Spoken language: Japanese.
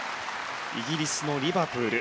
イギリスのリバプール。